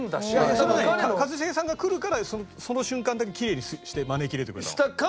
それ一茂さんが来るからその瞬間だけきれいにして招き入れてくれたの？